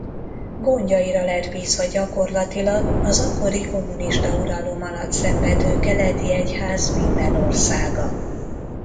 Gondjaira lett bízva gyakorlatilag az akkori kommunista uralom alatt szenvedő keleti Egyház minden országa.